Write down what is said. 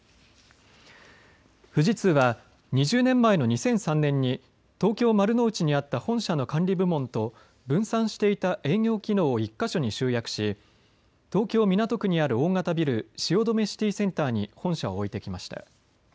富士通は２０年前の２００３年に東京丸の内にあった本社の管理部門と分散していた営業機能を１か所に集約し東京港区にある大型ビル、汐留シティセンターに本社を置いてきました。